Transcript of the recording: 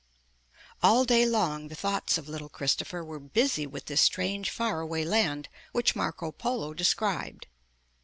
All day long the thoughts of little Christopher were busy with this strange far away land which Marco Polo described.